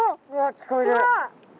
聞こえる？